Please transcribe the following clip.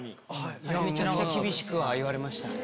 めちゃくちゃ厳しくは言われましたね。